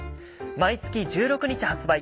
毎月１６日発売。